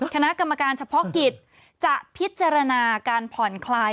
คณะกรรมการเฉพาะกิจจะพิจารณาการผ่อนคลาย